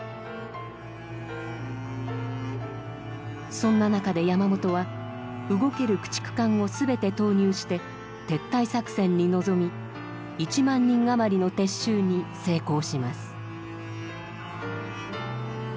そんな中で山本は動ける駆逐艦を全て投入して撤退作戦に臨み１万人余りの撤収に成功します。